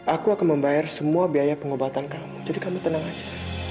aku akan membayar semua biaya pengobatan kamu jadi kamu tenang aja